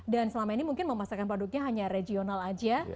dan selama ini mungkin memasarkan produknya hanya regional aja